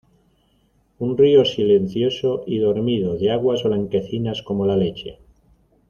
un río silencioso y dormido, de aguas blanquecinas como la leche